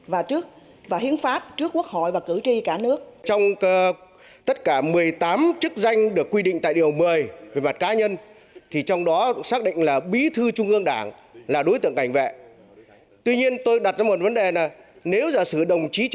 và hiến pháp trước quốc hội và cử tri cả nước